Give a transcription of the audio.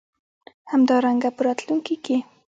همدارنګه په راتلونکې کې